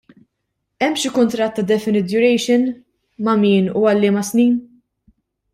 Hemm xi kuntratt ta' definite duration, ma' min u għal liema snin?